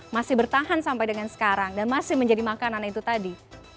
masih bertahan sampai dengan sekarang dan masih menjadi makanan itu tadi